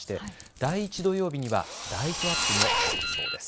第１土曜日にはライトアップもされるそうです。